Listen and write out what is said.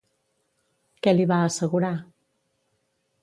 Què li va assegurar?